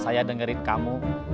palau ajar kada saya kata kamu